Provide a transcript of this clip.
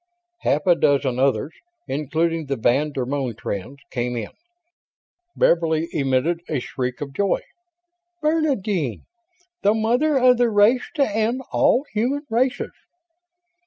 Half a dozen others, including the van der Moen twins, came in. Beverly emitted a shriek of joy. "Bernadine! The mother of the race to end all human races!"